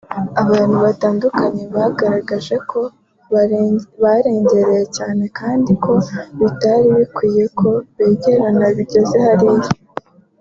abantu batandukanye bagaragaje ko barengereye cyane kandi ko bitari bikwiye ko begerana bigeze hariya